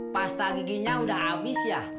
pasta giginya udah habis ya